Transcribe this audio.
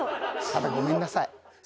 ただごめんなさい。